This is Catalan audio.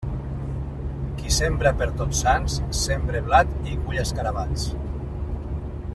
Qui sembra per Tots Sants, sembra blat i cull escarabats.